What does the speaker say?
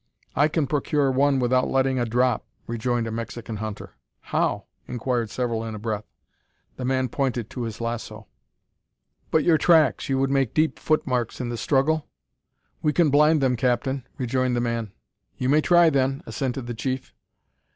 "I can procure one without letting a drop," rejoined a Mexican hunter. "How?" inquired several in a breath. The man pointed to his lasso. "But your tracks; you would make deep footmarks in the struggle?" "We can blind them, captain," rejoined the man. "You may try, then," assented the chief.